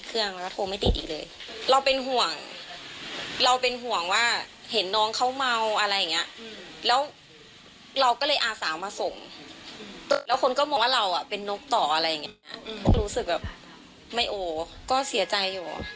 เราบริสุทธิ์ใจ